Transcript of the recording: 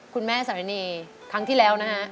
คุณแม่สารณีครั้งที่แล้วนะฮะ